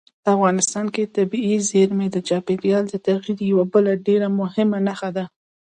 افغانستان کې طبیعي زیرمې د چاپېریال د تغیر یوه بله ډېره مهمه نښه ده.